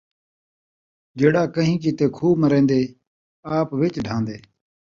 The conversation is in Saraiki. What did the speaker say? جیڑھا کئیں کیتے کھوہ مرین٘دے، آپ وچ ڈھان٘دے